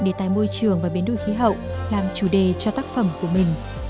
đề tài môi trường và biến đổi khí hậu làm chủ đề cho tác phẩm của mình